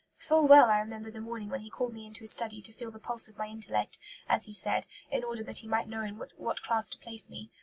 "Full well I remember the morning when he called me into his study to feel the pulse of my intellect, as he said, in order that he might know in what class to place me.